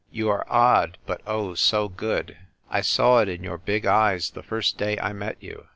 " You are odd, but oh, so good. I saw it in your big eyes the first day 1 met you.